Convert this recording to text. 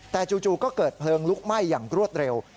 แต่จู่ก็เกิดเพลิงลุกไหม้อย่างรวดเร็ว